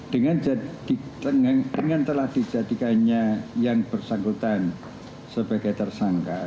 dengan telah dijadikannya yang bersangkutan sebagai tersangka